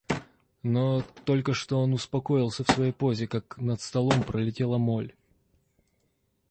Но, только что он успокоился в своей позе, как над столом пролетела моль.